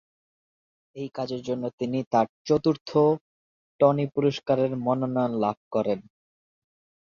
এই কাজের জন্য তিনি তার চতুর্থ টনি পুরস্কারের মনোনয়ন লাভ করেন।